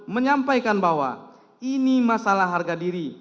menyampaikan bahwa ini masalah harga diri